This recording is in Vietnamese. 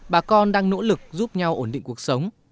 bà con đang nỗ lực giúp nhau ổn định cuộc sống